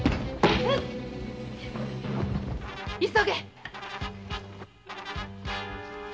急げ！